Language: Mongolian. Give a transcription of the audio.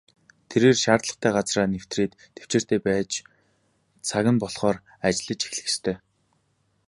Тэрээр шаардлагатай газраа нэвтрээд тэвчээртэй байж цаг нь болохоор ажиллаж эхлэх ёстой.